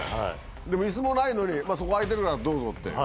でも、いすもないのに、そこ空いてるからどうぞって。